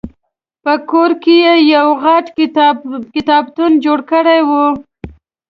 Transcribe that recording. په کور کې یې یو غټ کتابتون جوړ کړی و.